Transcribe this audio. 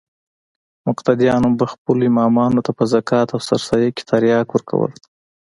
مقتديانو به خپلو امامانو ته په زکات او سرسايه کښې ترياک ورکول.